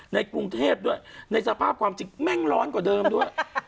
ในกรุงเทพด้วยในสภาพความจริงแม่งร้อนกว่าเดิมด้วย